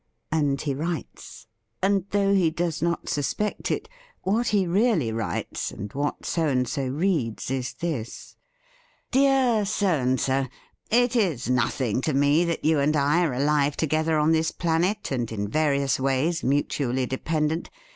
And he writes. And though he does not suspect it, what he really writes, and what So and So reads, is this: "Dear So and So. It is nothing to me that you and I are alive together on this planet, and in various ways mutually dependent.